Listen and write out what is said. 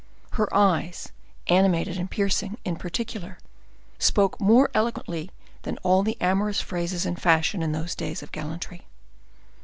Her eyes, animated and piercing, in particular, spoke more eloquently than all the amorous phrases in fashion in those days of gallantry.